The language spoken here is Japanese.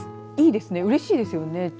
いいですね、うれしいですよね。